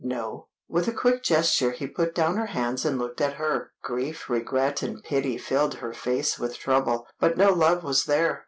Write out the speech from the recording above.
"No." With a quick gesture he put down her hands and looked at her. Grief, regret, and pity, filled her face with trouble, but no love was there.